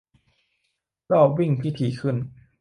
- รอบวิ่งที่ถี่ขึ้น